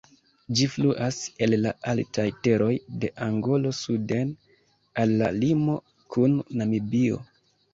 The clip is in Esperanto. Ĝi fluas el la altaj teroj de Angolo suden al la limo kun Namibio.